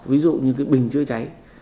ví dụ như cái bình chứa cháy